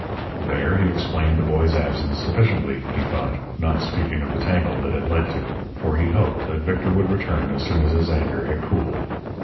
There he explained the boy's absence sufficiently, he thought, not speaking of the tangle that had led to it, for he hoped that Victor would return as soon as his anger had cooled.